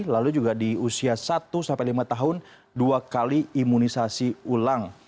lalu juga di usia satu sampai lima tahun dua kali imunisasi ulang